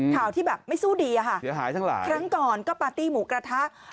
ข่าวที่แบบไม่สู้ดีค่ะครั้งก่อนก็ปาร์ตี้หมูกระทะหายทั้งหลาย